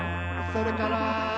「それから」